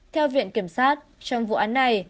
theo viện kiểm sát trong vụ án này